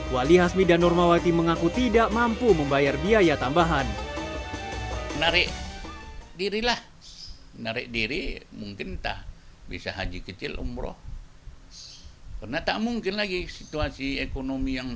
wali hasmi dan normawati mengaku tidak mampu membayar biaya tambahan